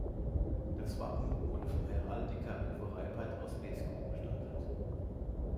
Das Wappen wurde vom Heraldiker Uwe Reipert aus Beeskow gestaltet.